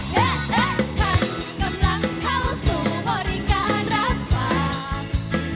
ท่านกำลังเข้าสู่บริการรับปาก